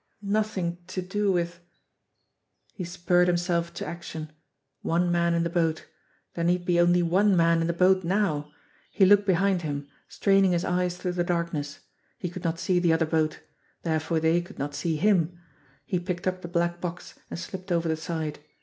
Nothing to do with He spurred himself to action. One man in the boat There need be only one man in the boat now! He looked behind him, straining his eyes through the darkness. He could not see the other boat. Therefore they could not see him. He picked up the black box, and slipped over the side.